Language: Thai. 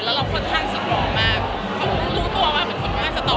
แล้วเราค่อนข้างสตรองมากเขารู้ตัวว่าเหมือนคนมากสตอ